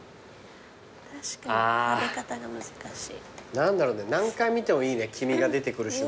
何だろうね何回見てもいいね黄身が出てくる瞬間。